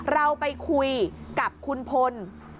เราไปคุยกับคุณพล